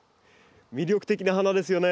魅力的な花ですよね。